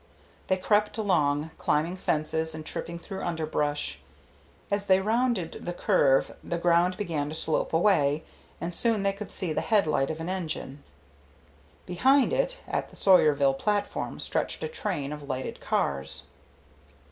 They crept along, climbing fences and tripping through underbrush. As they rounded the curve the ground began to slope away, and soon they could see the headlight of an engine. Behind it, at the Sawyerville platform, stretched a train of lighted cars.